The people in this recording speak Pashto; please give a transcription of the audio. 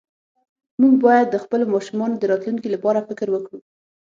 مونږ باید د خپلو ماشومانو د راتلونکي لپاره فکر وکړو